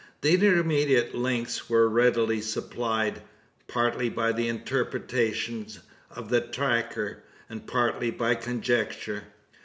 The intermediate links were readily supplied partly by the interpretations of the tracker, and partly by conjecture.